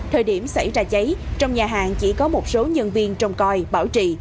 thời điểm xảy ra cháy trong nhà hàng chỉ có một số nhân viên trồng coi bảo trị